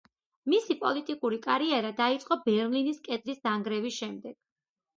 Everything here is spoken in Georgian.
მისი პოლიტიკური კარიერა დაიწყო ბერლინის კედლის დანგრევის შემდეგ.